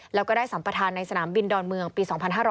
แล้วก็ได้สัมประธานในสนามบินดอนเมืองปี๒๕๕๙